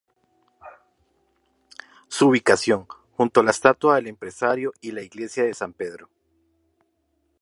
Su ubicación, junto a la estatua del empresario y la iglesia de San Pedro.